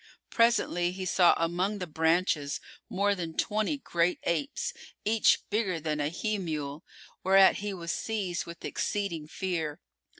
Presently, he saw among the branches more than twenty great apes, each bigger than a he mule, whereat he was seized with exceeding fear.